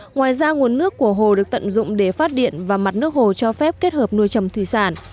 ngoài ra nguồn nước của hồ được tận dụng để phát điện và mặt nước hồ cho phép kết hợp nuôi trầm thủy sản